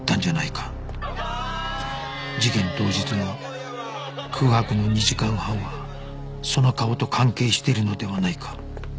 事件当日の空白の２時間半はその顔と関係してるのではないか